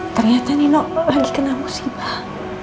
ternyata nino lagi kena musibah